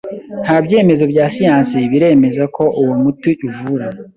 Nta byemezo bya siyansi biremeza ko uwo muti uvura